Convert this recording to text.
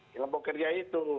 kelompok kerja itu